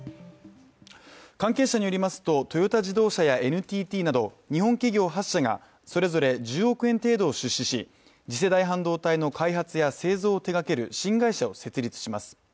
関係者によりますと、トヨタ自動車やＮＴＴなど日本企業８社がそれぞれ１０億円程度を出資し次世代半導体の開発や製造を手がける新会社を設立します。